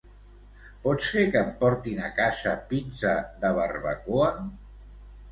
Pots fer que em portin a casa pizza de barbacoa?